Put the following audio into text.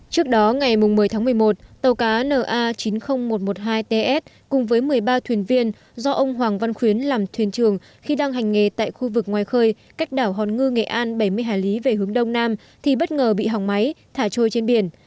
trước đó ngày một mươi tháng một mươi một tàu cá na chín mươi nghìn một trăm một mươi hai ts cùng với một mươi ba thuyền viên do ông hoàng văn khuyến làm thuyền trường khi đang hành nghề tại khu vực ngoài khơi cách đảo hòn ngư nghệ an bảy mươi hải lý về hướng đông nam thì bất ngờ bị hỏng máy thả trôi trên biển